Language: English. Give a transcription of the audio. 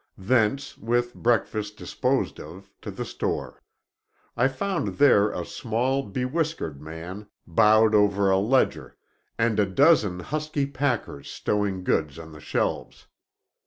Thence, with breakfast disposed of, to the store. I found there a small, bewhiskered man bowed over a ledger, and a dozen husky packers stowing goods on the shelves.